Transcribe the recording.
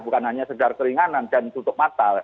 bukan hanya sekedar keringanan dan tutup mata